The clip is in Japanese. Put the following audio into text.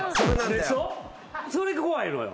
それが怖いのよ。